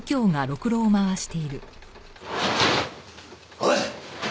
おい！